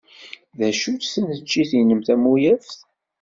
D acu-tt tneččit-nnem tamuyaft?